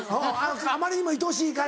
あまりにもいとしいから。